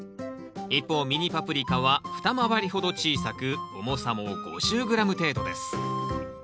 一方ミニパプリカは二回りほど小さく重さも５０ｇ程度です。